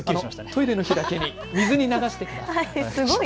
トイレの日だけに水に流してください。